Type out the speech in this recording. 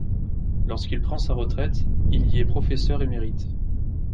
Lorsqu'il prend sa retraite, il y est professeur émérite.